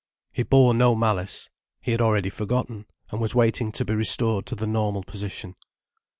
He bore no malice. He had already forgotten, and was waiting to be restored to the normal position.